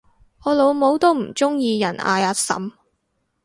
我老母都唔鍾意人嗌阿嬸